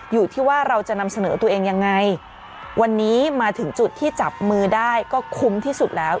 อยู่ที่ว่าเราจะนำเสนอตัวเองยังไงวันนี้มาถึงจุดที่จับมือได้ก็คุ้มที่สุดแล้ว